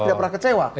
tidak pernah kecewa